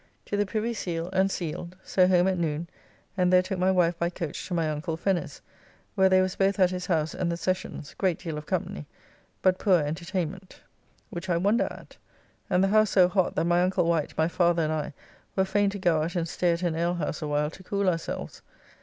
To the Privy Seal, and sealed; so home at noon, and there took my wife by coach to my uncle Fenner's, where there was both at his house and the Sessions, great deal of company, but poor entertainment, which I wonder at; and the house so hot, that my uncle Wight, my father and I were fain to go out, and stay at an alehouse awhile to cool ourselves.